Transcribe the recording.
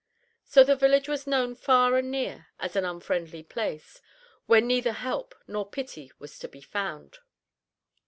So the village was known far and near as an unfriendly place, where neither help nor pity was to be found.